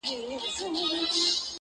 کښتۍ وان یم له څپو سره چلېږم.!